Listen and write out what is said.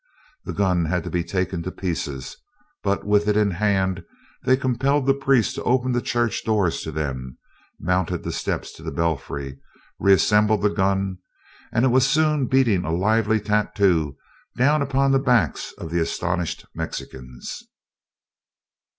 The gun had to be taken to pieces, but with it in hand they compelled the priest to open the church doors to them, mounted the steps to the belfry, reassembled the gun, and it was soon beating a lively tattoo down upon the backs of the astonished Mexicans.